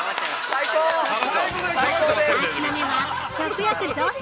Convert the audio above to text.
◆３品目は、食欲増進！